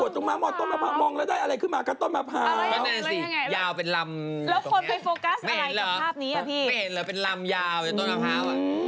ทำไมเขาเป็นผู้หญิงเขาต้องมองข้างหน้าแหละอะมองข้างหน้า